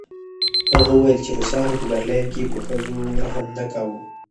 هغه وویل چې روسانو په برلین کې په ښځو رحم نه کاوه